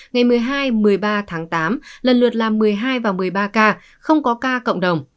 ngày một mươi hai một mươi ba tháng tám lần lượt là một mươi hai và một mươi ba ca không có ca cộng đồng